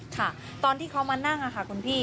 ค่ะตอนที่เขามานั่งค่ะคุณพี่